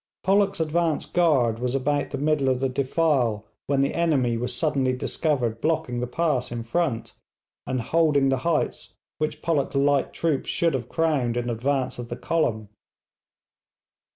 Pollock's advance guard was about the middle of the defile, when the enemy were suddenly discovered blocking the pass in front, and holding the heights which Pollock's light troops should have crowned in advance of the column.